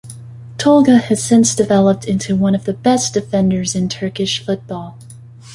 Tolga has since developed into one of the best defenders in Turkish football.